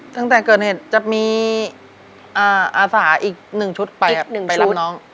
ตั้งแต่เกิดเหตุจะมีอาสาอีก๑ชุดไปรับน้อง